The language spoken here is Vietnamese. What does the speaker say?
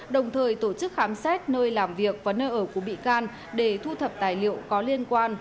đồng thời tổ chức khám xét nơi làm việc và nơi ở của bị can để thu thập tài liệu có liên quan